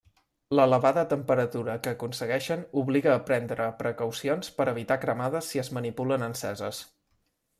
L'elevada temperatura que aconsegueixen obliga a prendre precaucions per evitar cremades si es manipulen enceses.